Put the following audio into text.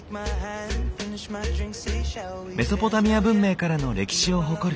メソポタミア文明からの歴史を誇る。